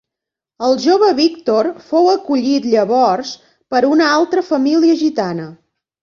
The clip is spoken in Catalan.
El jove Víctor fou acollit llavors per una altra família gitana.